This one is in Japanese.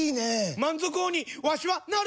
満足王にわしはなる！